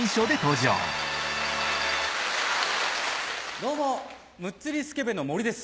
どうもむっつりスケベの森です。